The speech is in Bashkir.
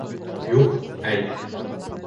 Юҡ, әйт.